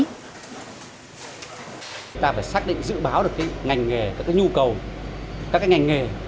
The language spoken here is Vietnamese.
chúng ta phải xác định dự báo được cái ngành nghề các cái nhu cầu các cái ngành nghề